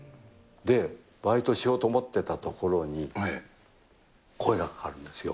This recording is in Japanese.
で、バイトしようと思ってたところに、声がかかるんですよ。